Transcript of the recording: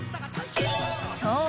そう